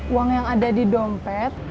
uang yang ada di dompet